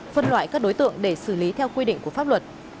phân loại các đối tượng để xử lý theo quy định của pháp luật